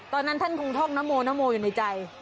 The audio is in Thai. ตอนนั้นท่านคงท่องนโมนโมอยู่ในใจ